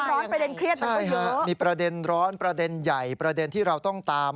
ไม่รู้ว่าจะสบายอย่างไรใช่ครับมีประเด็นร้อนประเด็นใหญ่ประเด็นที่เราต้องตาม